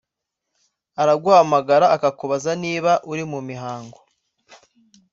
araguhamagara akakubaza niba uri mu mihango